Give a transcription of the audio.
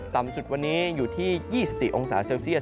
ต่ำสุดวันนี้อยู่ที่๒๔องศาเซลเซียส